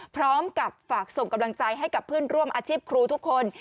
พร้อมกับฝากส่งกำลังใจให้กับเพื่อนร่วมอาชีพครูทุกคน